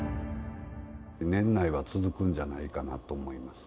年内は続くんじゃないかなと思います。